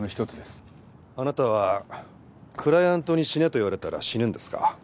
あなたはクライアントに死ねと言われたら死ぬんですか？